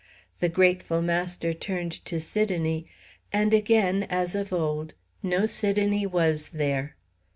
The grateful master turned to Sidonie, and again, as of old, no Sidonie was there.